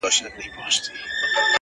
بل څوک خو بې خوښ سوی نه وي.